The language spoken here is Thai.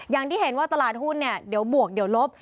อย่างที่เห็นว่าตลาดหุ้นเนี่ยเดี๋ยวบวกเดี๋ยวลบ